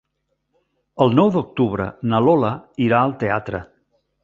El nou d'octubre na Lola irà al teatre.